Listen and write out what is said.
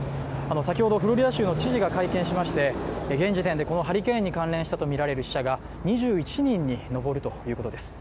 先ほどフロリダ州の知事が会見しまして現時点でこのハリケーンに関連したとみられる死者が２１人に上るということです。